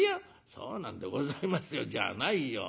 「そうなんでございますよじゃないよ。